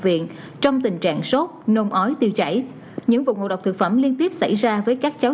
viện trong tình trạng sốt nôn ói tiêu chảy những vụ ngộ độc thực phẩm liên tiếp xảy ra với các cháu